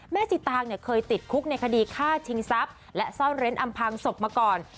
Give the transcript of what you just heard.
สิตางเนี่ยเคยติดคุกในคดีฆ่าชิงทรัพย์และซ่อนเร้นอำพังศพมาก่อน